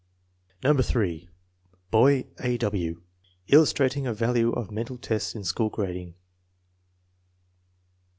No. 3. Boy : A. W. Illustrating the value of men tal tests in school grading.